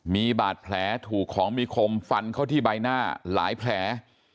มีบาดแผลถูกของมีคมฟันเข้าที่ใบหน้าหลายแผล